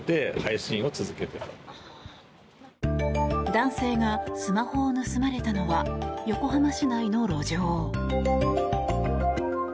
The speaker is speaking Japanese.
男性がスマホを盗まれたのは横浜市内の路上。